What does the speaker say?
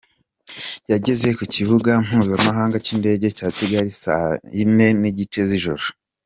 Yageze ku Kibuga mpuzamahanga cy’Indege cya Kigali saa yine n’igice z’ijoro.